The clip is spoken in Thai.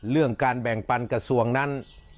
เรื่องการแบ่งปันกระทรวงนั้น